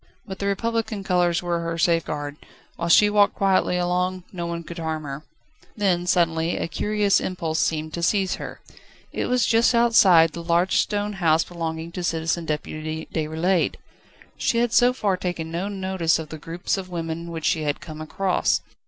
But the Republican colours were her safeguard: whilst she walked quietly along, no one could harm her. Then suddenly a curious impulse seemed to seize her. It was just outside the large stone house belonging to Citizen Deputy Déroulède. She had so far taken no notice of the groups of women which she had come across.